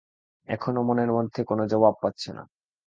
এখনো মনের মধ্যে কোনো জবাব পাচ্ছে না।